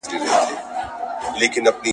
• دپاچا نزدېکت اور دئ.